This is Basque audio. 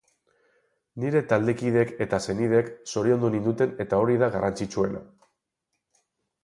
Nire taldekideek eta senideek zoriondu ninduten era hori da garrantzitsuena.